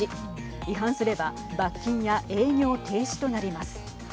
違反すれば罰金や営業停止となります。